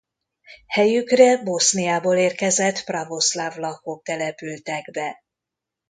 Helyükre Boszniából érkezett pravoszláv vlachok települtek be.